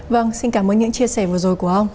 vâng xin cảm ơn những chia sẻ vừa rồi của ông